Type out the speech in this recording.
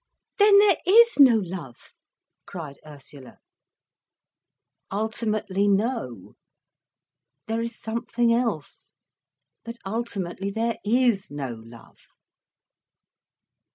"Then there is no love," cried Ursula. "Ultimately, no, there is something else. But, ultimately, there is no love."